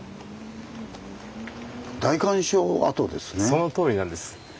そのとおりなんです。